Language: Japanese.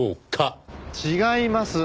違います。